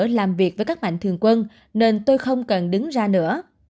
tôi đã làm việc với các mạnh thường quân nên tôi không cần đứng ra nữa